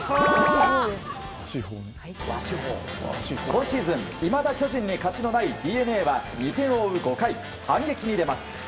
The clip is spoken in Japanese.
今シーズン、いまだ巨人に勝ちのないＤｅＮＡは２点を追う５回、反撃に出ます。